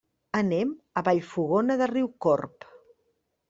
Anem a Vallfogona de Riucorb.